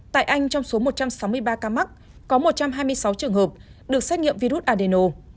tại anh trong số một trăm sáu mươi ba ca mắc có một trăm hai mươi sáu trường hợp được xét nghiệm virus adeno